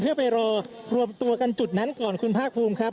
เพื่อไปรอรวมตัวกันจุดนั้นก่อนคุณภาคภูมิครับ